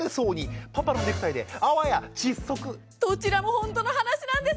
どちらもほんとの話なんです。